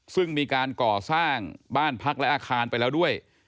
ซึ่งมีการก่อสร้างบ้านพักและอาคารไปแล้วด้วย